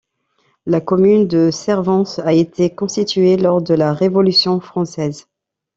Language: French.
La commune de Servance a été constituée lors de la Révolution française.